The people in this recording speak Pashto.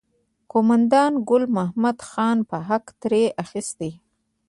قوماندان ګل محمد خان به حق ترې اخیست.